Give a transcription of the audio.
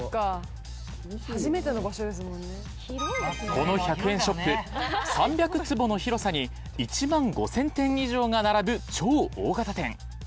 この１００円ショップ３００坪の広さに１万５，０００点以上が並ぶ超大型店。